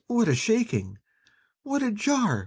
what a shaking! What a jar!